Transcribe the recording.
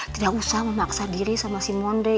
tidak usah memaksa diri sama si monde